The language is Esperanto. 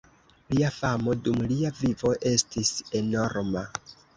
Lia famo dum lia vivo estis enorma.